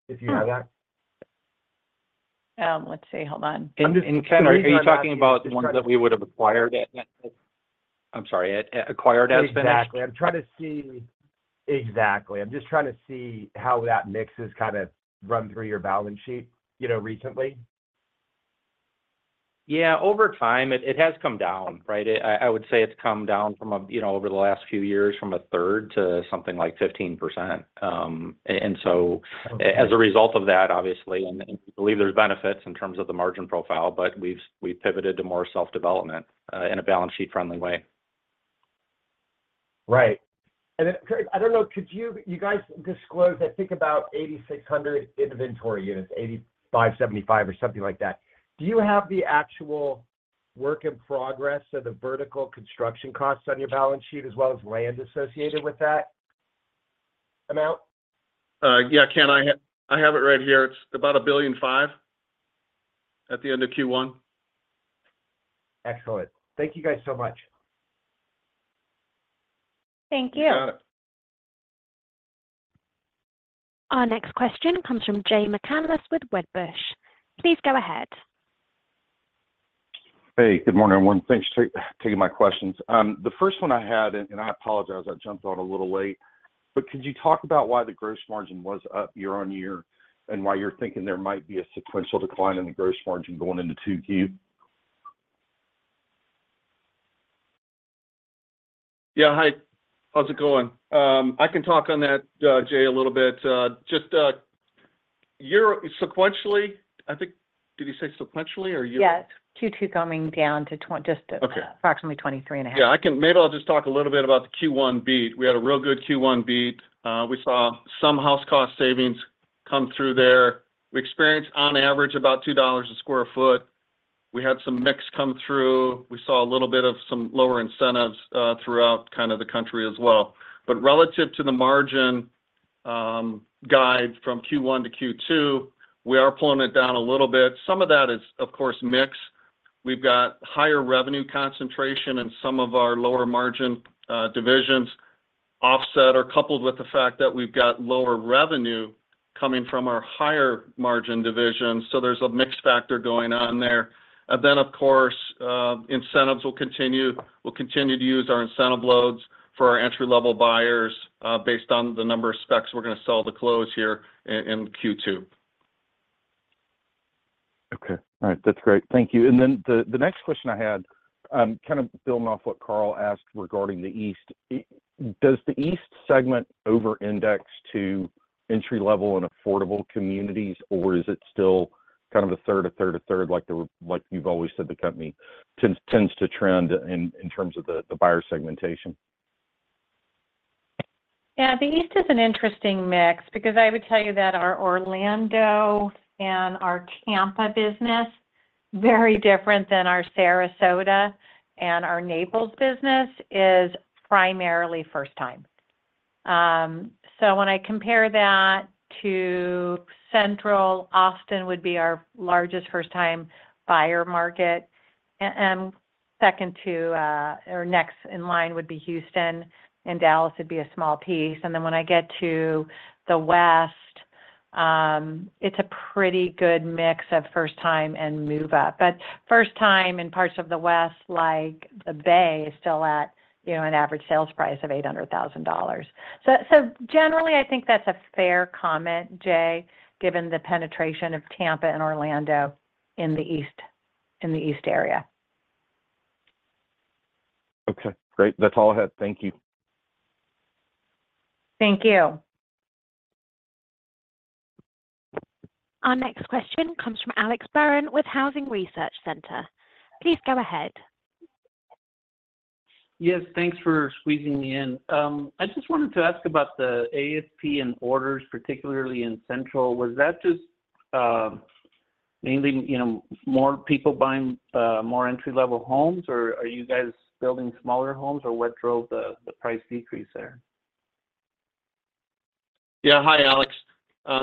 Speaker 10: if you have that?
Speaker 3: Let's see. Hold on.
Speaker 4: Ken, are you talking about the ones that we would have acquired as finished? I'm sorry, acquired as finished?
Speaker 10: Exactly. I'm trying to see exactly. I'm just trying to see how that mix has kind of run through your balance sheet recently.
Speaker 4: Yeah. Over time, it has come down, right? I would say it's come down over the last few years from a third to something like 15%. And so as a result of that, obviously, and we believe there's benefits in terms of the margin profile, but we've pivoted to more self-development in a balance sheet-friendly way.
Speaker 10: Right. And then, Curt, I don't know, could you guys disclose I think about 8,600 inventory units, 8,575 or something like that. Do you have the actual work in progress of the vertical construction costs on your balance sheet as well as land associated with that amount?
Speaker 5: Yeah, Ken, I have it right here. It's about $1.5 billion at the end of Q1.
Speaker 10: Excellent. Thank you guys so much.
Speaker 3: Thank you.
Speaker 5: Got it.
Speaker 1: Our next question comes from Jay McCanless with Wedbush. Please go ahead.
Speaker 11: Hey, good morning, everyone. Thanks for taking my questions. The first one I had, and I apologize, I jumped on a little late, but could you talk about why the gross margin was up year-over-year and why you're thinking there might be a sequential decline in the gross margin going into 2Q?
Speaker 5: Yeah, hi. How's it going? I can talk on that, Jay, a little bit. Just sequentially, I think did you say sequentially, or you?
Speaker 3: Yes, Q2 going down to just approximately 23.5.
Speaker 5: Yeah, maybe I'll just talk a little bit about the Q1 beat. We had a real good Q1 beat. We saw some house cost savings come through there. We experienced, on average, about $2 a sq ft. We had some mix come through. We saw a little bit of some lower incentives throughout kind of the country as well. But relative to the margin guide from Q1-Q2, we are pulling it down a little bit. Some of that is, of course, mix. We've got higher revenue concentration in some of our lower margin divisions offset or coupled with the fact that we've got lower revenue coming from our higher margin divisions. So there's a mixed factor going on there. And then, of course, incentives will continue. We'll continue to use our incentive loads for our entry-level buyers based on the number of specs we're going to sell to close here in Q2.
Speaker 11: Okay. All right. That's great. Thank you. And then the next question I had, kind of building off what Carl asked regarding the east, does the east segment over-index to entry-level and affordable communities, or is it still kind of a third, a third, a third, like you've always said the company tends to trend in terms of the buyer segmentation?
Speaker 3: Yeah, the east is an interesting mix because I would tell you that our Orlando and our Tampa business, very different than our Sarasota and our Naples business, is primarily first-time. So when I compare that to central, Austin would be our largest first-time buyer market. And second to or next in line would be Houston. And Dallas would be a small piece. And then when I get to the west, it's a pretty good mix of first-time and move-up. But first-time in parts of the west, like the Bay, is still at an average sales price of $800,000. So generally, I think that's a fair comment, Jay, given the penetration of Tampa and Orlando in the east area.
Speaker 11: Okay. Great. That's all I had. Thank you.
Speaker 3: Thank you.
Speaker 1: Our next question comes from Alex Barron with Housing Research Center. Please go ahead.
Speaker 12: Yes. Thanks for squeezing me in. I just wanted to ask about the ASP and orders, particularly in central. Was that just mainly more people buying more entry-level homes, or are you guys building smaller homes, or what drove the price decrease there?
Speaker 5: Yeah. Hi, Alex.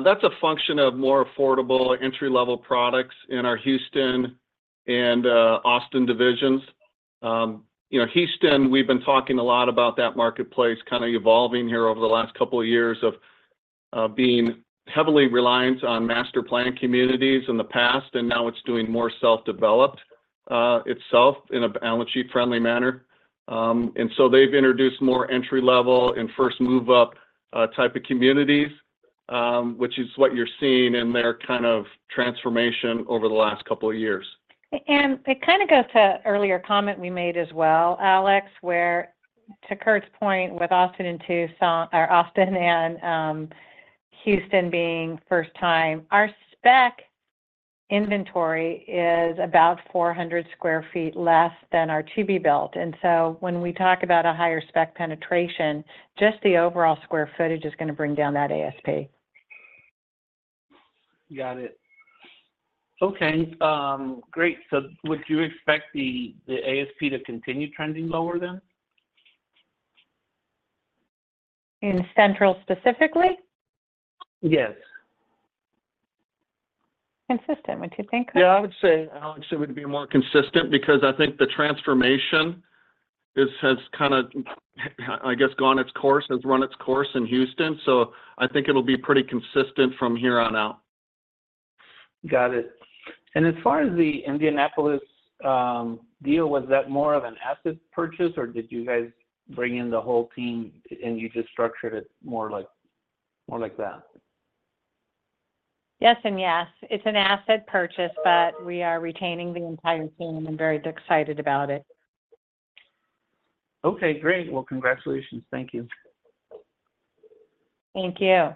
Speaker 5: That's a function of more affordable entry-level products in our Houston and Austin divisions. Houston, we've been talking a lot about that marketplace kind of evolving here over the last couple of years of being heavily reliant on master plan communities in the past. And now it's doing more self-developed itself in a balance sheet-friendly manner. And so they've introduced more entry-level and first move-up type of communities, which is what you're seeing in their kind of transformation over the last couple of years.
Speaker 3: It kind of goes to earlier comment we made as well, Alex, where to Curt's point with Austin and Houston being first-time, our spec inventory is about 400 sq ft less than our to-be-built. So when we talk about a higher spec penetration, just the overall square footage is going to bring down that ASP.
Speaker 12: Got it. Okay. Great. So would you expect the ASP to continue trending lower then?
Speaker 3: In central specifically?
Speaker 12: Yes.
Speaker 3: Consistent, would you think?
Speaker 5: Yeah, I would say it would be more consistent because I think the transformation has kind of, I guess, gone its course, has run its course in Houston. So I think it'll be pretty consistent from here on out.
Speaker 12: Got it. And as far as the Indianapolis deal, was that more of an asset purchase, or did you guys bring in the whole team, and you just structured it more like that?
Speaker 3: Yes and yes. It's an asset purchase, but we are retaining the entire team, and I'm very excited about it.
Speaker 12: Okay. Great. Well, congratulations. Thank you.
Speaker 3: Thank you.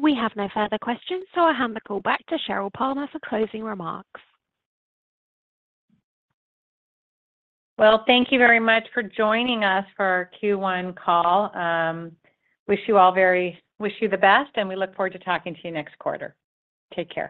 Speaker 1: We have no further questions, so I'll hand the call back to Sheryl Palmer for closing remarks.
Speaker 3: Well, thank you very much for joining us for our Q1 call. Wish you all the very best, and we look forward to talking to you next quarter. Take care.